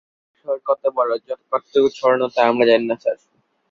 সেই শহর কত বড়, কতটুকু ছড়ানো তা আমরা জানি না স্যার।